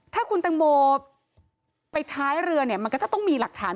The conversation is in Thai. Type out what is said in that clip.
ถ้าคุณตังโมไปท้ายเรือเนี่ยมันก็จะต้องมีหลักฐาน